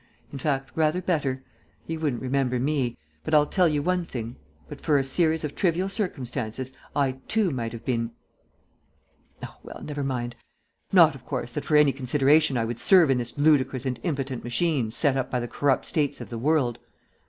In fact, rather better. He wouldn't remember me. But I'll tell you one thing. But for a series of trivial circumstances, I too might have been ... oh, well, never mind. Not, of course, that for any consideration I would serve in this ludicrous and impotent machine set up by the corrupt states of the world.